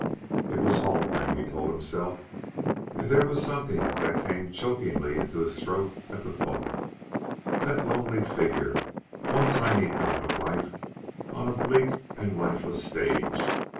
It was Haldgren, he told himself; and there was something that came chokingly into his throat at the thought. That lonely figure one tiny dot of life on a bleak and lifeless stage!